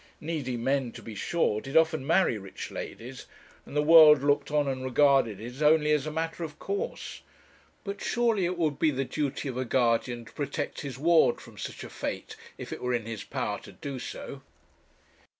Needy men, to be sure, did often marry rich ladies, and the world looked on and regarded it only as a matter of course; but surely it would be the duty of a guardian to protect his ward from such a fate, if it were in his power to do so.